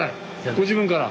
ご自分から？